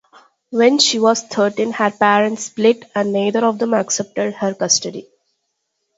When she was thirteen her parents split and neither of them accepted her custody.